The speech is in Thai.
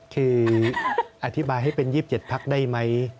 คืออธิบายให้เป็น๒๗พักได้ไหม